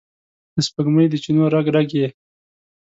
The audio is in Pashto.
د سپوږمۍ د چېنو رګ، رګ یې،